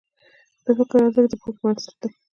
د فکر ارزښت د پوهې بنسټ دی.